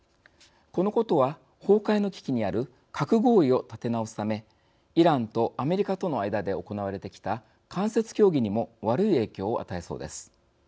このことは、崩壊の危機にある核合意を立て直すためイランとアメリカとの間で行われてきた間接協議にも悪い影響を与えそうです。